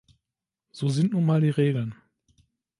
So sind nun mal die Regeln.